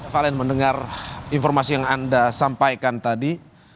valen mendengar informasi yang anda sampaikan tadi